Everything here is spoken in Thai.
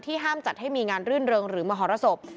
ห้ามจัดให้มีงานรื่นเริงหรือมหรสบ